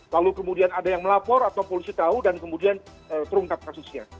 lalu kemudian ada yang melapor atau polisi tahu dan kemudian terungkap kasusnya